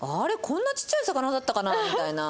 こんなちっちゃい魚だったかなみたいな。